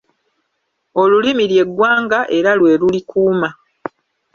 Olulimi lye ggwanga era lwe lulikuuma.